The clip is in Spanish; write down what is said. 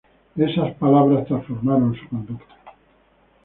Esas palabras transformaron su conducta.